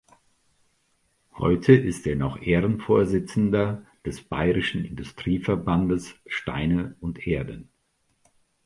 Heute ist er noch Ehrenvorsitzender des Bayerischen Industrieverbandes Steine und Erden.